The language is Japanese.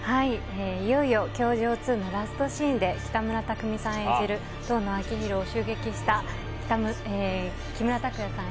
いよいよ「教場２」のラストシーンで北村匠海さん演じる遠野章宏を襲撃した木村拓哉さん